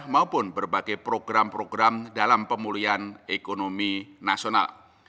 maupun berbagai program program dalam pemulihan ekonomi nasional